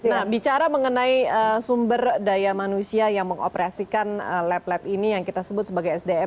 nah bicara mengenai sumber daya manusia yang mengoperasikan lab lab ini yang kita sebut sebagai sdm